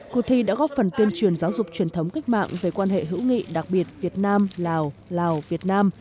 cuộc thi đã góp phần tuyên truyền giáo dục truyền thống cách mạng về quan hệ hữu nghị đặc biệt việt nam lào lào việt nam